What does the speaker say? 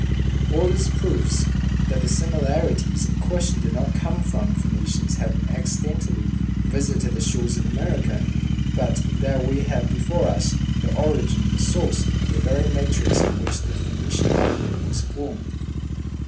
All this proves that the similarities in question did not come from Phoenicians having accidentally visited the shores of America, but that we have before us the origin, the source, the very matrix in which the Phoenician alphabet was formed.